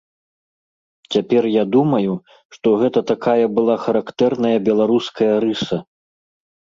Цяпер я думаю, што гэта такая была характэрная беларуская рыса.